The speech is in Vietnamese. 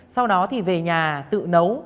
sau đó thì về nhà tự nấu